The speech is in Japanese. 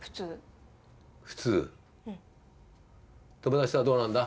友達とはどうなんだ？